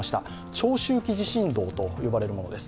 長周期地震動と呼ばれるものです。